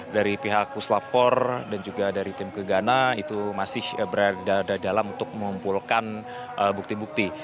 dari pihak puslap empat dan juga dari tim gegana itu masih berada dalam untuk mengumpulkan bukti bukti